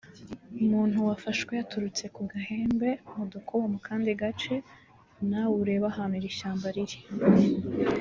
’’ Umuntu wafashwe yaturutse ku Gahembe ( mu kandi gace) nawe urebe ahantu iri shyamba riri